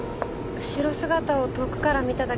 後ろ姿を遠くから見ただけなので。